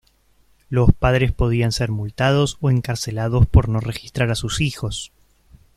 Los padres podían ser multados o encarcelados por no registrar a sus hijos.